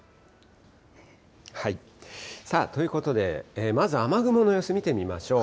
ということで、まず雨雲の様子見てみましょう。